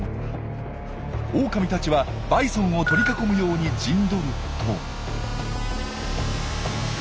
オオカミたちはバイソンを取り囲むように陣取ると。